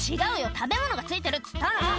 食べ物がついてるっつったの！」